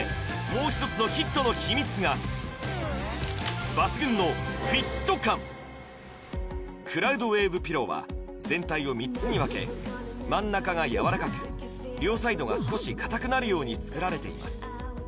もう一つのヒットの秘密がクラウドウェーブピローは全体を３つに分け真ん中がやわらかく両サイドが少し硬くなるように作られています